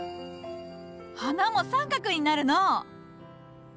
花も三角になるのう。